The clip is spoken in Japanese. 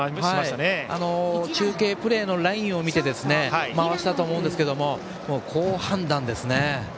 中継プレーのラインを見て回したとは思うんですけど好判断ですね。